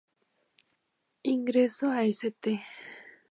Ingresó a St.